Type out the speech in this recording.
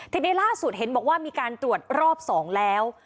ทีนี้ล่าสุดเห็นบอกว่ามีการตรวจรอบ๒แล้ว